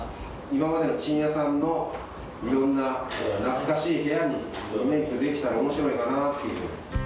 今までのちんやさんのいろんな懐かしい部屋にリメークできたらおもしろいかなっていう。